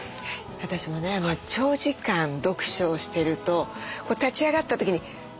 私もね長時間読書をしてると立ち上がった時に固まってる。